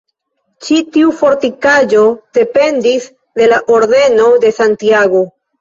Ĉi tiu fortikaĵo dependis de la Ordeno de Santiago.